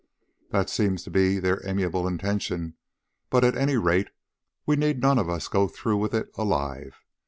"That seems to be their amiable intention, but at any rate we need none of us go through with it alive.